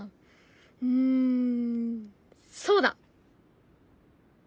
うんそうだ！